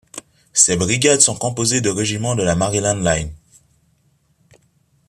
Ces brigades sont composées de régiments de la Maryland Line.